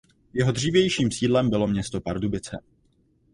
Jeho dřívějším sídlem bylo město Pardubice.